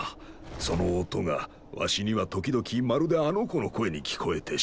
その音がわしには時々まるであの子の声に聞こえてしまう。